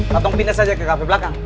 katong pines aja ke kafe belakang